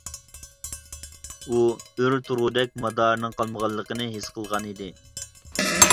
ئۇ ئۆرە تۇرغۇدەك مادارىنىڭ قالمىغانلىقىنى ھېس قىلغان ئىدى.